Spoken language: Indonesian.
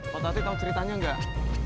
kok tati tahu ceritanya enggak